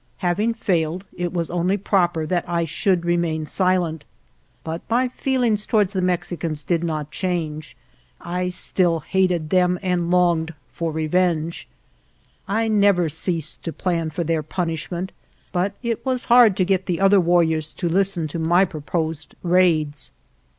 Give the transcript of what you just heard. Having failed, it was only proper that I should remain silent. But my feelings to ward the Mexicans did not change — I still hated them and longed for revenge. I never ceased to plan for their punishment, but it was hard to get the other warriors to listen to my proposed raids.